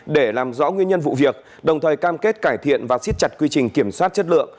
để làm rõ nguyên nhân vụ việc đồng thời cam kết cải thiện và siết chặt quy trình kiểm soát chất lượng